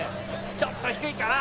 ちょっと低いかな。